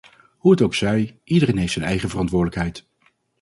Hoe het ook zij, iedereen heeft zijn eigen verantwoordelijkheid.